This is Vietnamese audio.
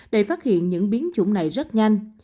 để phát hiện những biến chủng này rất nhanh